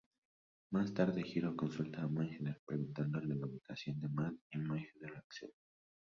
Más tarde Hiro consulta a Mohinder preguntándole la ubicación de Matt y Mohinder accede.